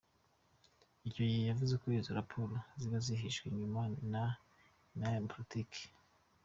Icyo gihe yavuze ko izo raporo ziba zihishwe inyuma n’ inyungu za politiki.